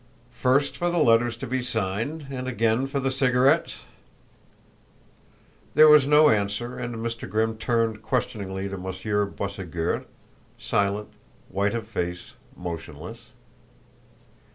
"First for the letters to be signed, and again for the cigarettes?" There was no answer and Mr. Grimm turned questioningly to Monsieur Boisségur, silent, white of face, motionless.